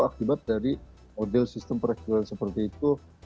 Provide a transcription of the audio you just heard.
akibat dari model sistem perekrutan seperti itu